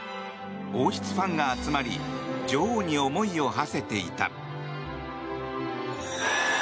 王室ファンが集まり女王に思いを馳せていた。